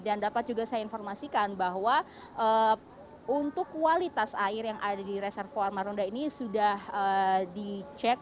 dan dapat juga saya informasikan bahwa untuk kualitas air yang ada di reservoir marunda ini sudah dicek